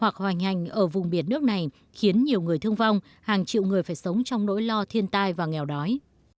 tình hình ở vùng biển nước này khiến nhiều người thương vong hàng triệu người phải sống trong nỗi lo thiên tai và nghèo đói